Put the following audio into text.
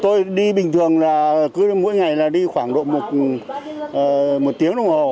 tôi đi bình thường là cứ mỗi ngày là đi khoảng độ một tiếng đồng hồ